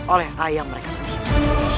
oleh ayam mereka sendiri